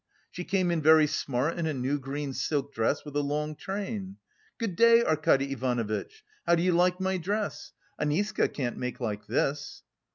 She came in very smart in a new green silk dress with a long train. 'Good day, Arkady Ivanovitch! How do you like my dress? Aniska can't make like this.